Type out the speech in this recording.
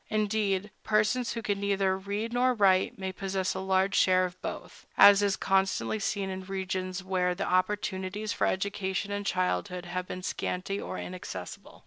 Indeed, persons who can neither read nor write may possess a large share of both, as is constantly seen in regions where the opportunities for education in childhood have been scanty or inaccessible.